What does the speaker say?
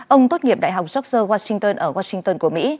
ông tốt nghiệp đại học josher washington ở washington của mỹ